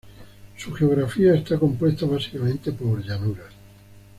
Su geografía está compuesta básicamente por llanuras.